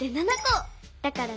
だから７。